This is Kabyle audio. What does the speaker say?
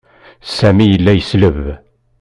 Sami yella yesleb.